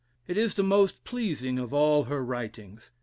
It is the most pleasing of all her writings.